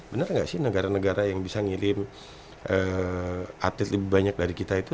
benar nggak sih negara negara yang bisa ngirim atlet lebih banyak dari kita itu